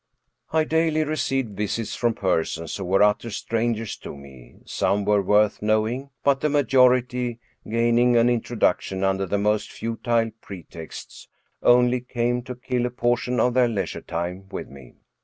I daily received visits from persons who were utter strangers to me; some were worth knowing, but the ma jority, gaining an introduction under the most futile pre texts, only came to kill a portion of their leisure time with me.